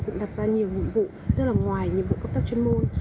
cũng đặt ra nhiều nhiệm vụ tức là ngoài nhiệm vụ công tác chuyên môn